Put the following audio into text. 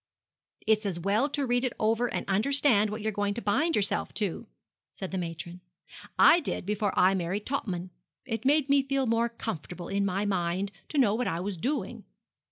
'It's as well to read it over and understand what you're going to bind yourself to,' said the matron; 'I did before I married Topman. It made me feel more comfortable in my mind to know what I was doing.